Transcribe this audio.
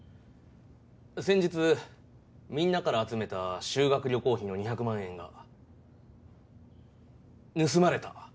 先日みんなから集めた修学旅行費の２００万円が盗まれた。